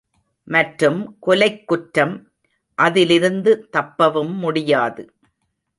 மற்றும் கொலைக்குற்றம், அதிலிருந்து தப்பவும் முடியாது.